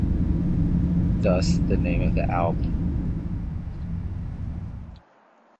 Thus, the name of the album.